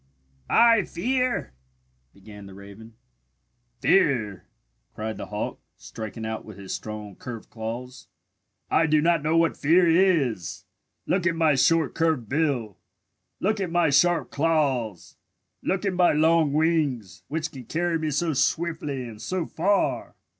"I fear " began the raven. "Fear?" cried the hawk, striking out with his strong curved claws. "I do not know what fear is! Look at my short curved bill! Look at my sharp claws! Look at my long wings, which can carry me so swiftly and so far!